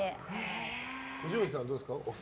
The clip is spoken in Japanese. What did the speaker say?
五条院さんはどうですか？